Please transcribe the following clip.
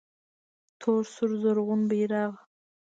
تور سور زرغون بیرغ